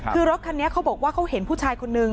คือรถคันนี้เขาบอกว่าเขาเห็นผู้ชายคนนึง